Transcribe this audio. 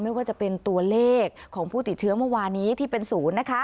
ไม่ว่าจะเป็นตัวเลขของผู้ติดเชื้อเมื่อวานี้ที่เป็นศูนย์นะคะ